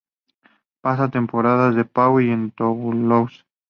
Pasa temporadas en Pau y en Toulouse.